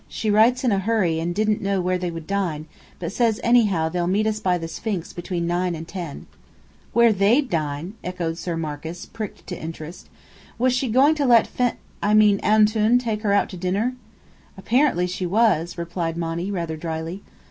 She writes in a hurry and didn't know where they would dine, but says anyhow they'll meet us by the Sphinx between nine and ten." "Where 'they'd' dine!" echoed Sir Marcus, pricked to interest. "Was she going to let Fe I mean 'Antoun,' take her out to dinner?" "Apparently she was," replied Monny, rather dryly.